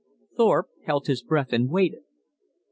Thorpe held his breath and waited.